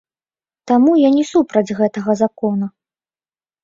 Таму я не супраць гэтага закона.